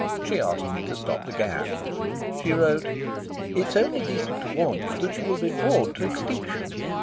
She asked me to stop the gap. She wrote: "It's only decent to warn you that you will be bored to extinction.